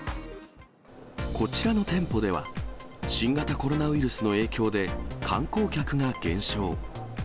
こちらの店舗では、新型コロナウイルスの影響で観光客が減少。